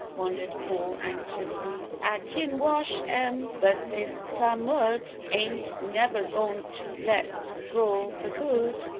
wondered Paul, anxiously. "Ah kin wash 'em but dis clam mud ain't neber goin' t' let go fer good!